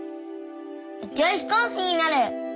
宇宙飛行士になる！